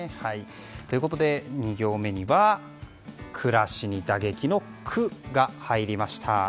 ２行目には暮らしに打撃？の「ク」が入りました。